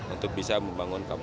untuk bisa membangun